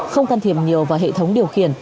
không can thiệp nhiều vào hệ thống điều khiển